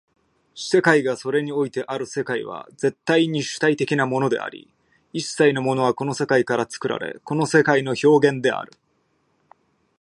世界がそれにおいてある世界は絶対に主体的なものであり、一切のものはこの世界から作られ、この世界の表現である。